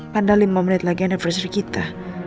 padahal lima menit lagi anniversary kita